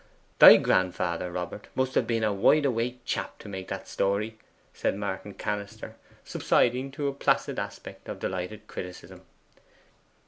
'Thy grandfather, Robert, must have been a wide awake chap to make that story,' said Martin Cannister, subsiding to a placid aspect of delighted criticism.